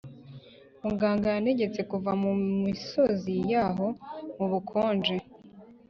Muganga yantegetse kuva mu misozi yaho mu bukonje